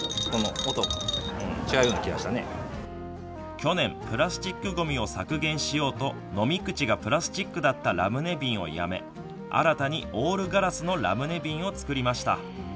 去年、プラスチックごみを削減しようと飲み口がプラスチックだったラムネ瓶をやめ新たにオールガラスのラムネ瓶を作りました。